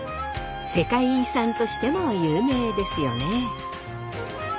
世界遺産としても有名ですよね。